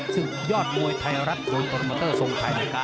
สุดยอดหมวยไทยรัฐโดยอัลทมัตต์ทรงทาย